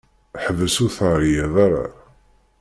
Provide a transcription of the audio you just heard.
Ḥbes ur ttɛeyyiḍ ara!